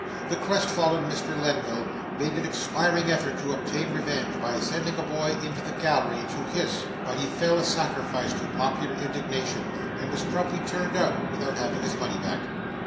The crestfallen Mr. Lenville made an expiring effort to obtain revenge by sending a boy into the gallery to hiss, but he fell a sacrifice to popular indignation, and was promptly turned out without having his money back.